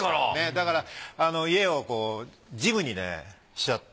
だから家をジムにねしちゃって。